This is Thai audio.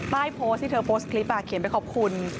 โพสต์ที่เธอโพสต์คลิปเขียนไปขอบคุณ